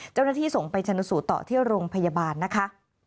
เจ้าหน้าที่ส่งไปชนสูตรต่อที่โรงพยาบาลนะคะ